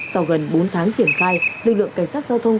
sau gần bốn tháng triển khai lực lượng cảnh sát giao thông